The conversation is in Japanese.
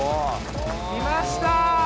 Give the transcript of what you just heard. きました。